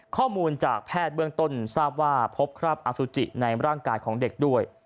ข้อมูลจากแพทย์เบื้องต้นทราบว่าพบคราบอสุจิในร่างกายของเด็กด้วย